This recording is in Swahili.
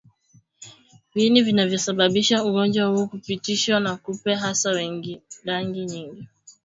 Viini vinavyosababisha ugonjwa huu hupitishwa na kupe hasa wenye rangi nyingi